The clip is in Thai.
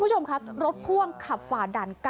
คุณผู้ชมครับรถพ่วงขับฝ่าด่าน๙